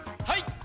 はい。